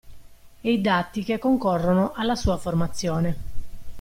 E i dati che concorrono alla sua formazione.